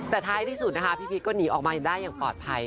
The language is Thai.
แต่ท้ายที่สุดนะคะพี่พีชก็หนีออกมาได้อย่างปลอดภัย